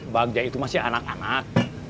bagja itu masih anak anak